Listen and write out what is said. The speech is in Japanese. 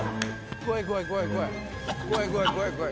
怖い怖い怖い怖い。